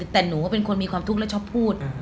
แต่หนูก็เป็นคนมีความทุกข์และชอบพูด